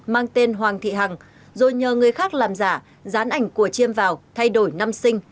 mang tên hoàng thị hằng rồi nhờ người khác làm giả dán ảnh của chiêm vào thay đổi năm sinh